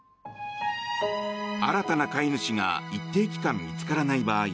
新たな飼い主が一定期間見つからない場合